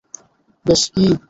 বেশ, কী?